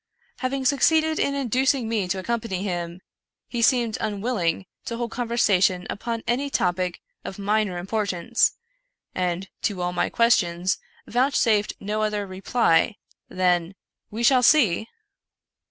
Hav ing succeeded in inducing me to accompany him, he seemed unwilling to hold conversation upon any topic of minor importance, and to all my questions vouchsafed no other reply than " we shall see